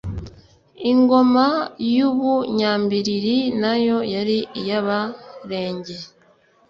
Ingoma y'u Bunyambilili nayo yari iy'Abarenge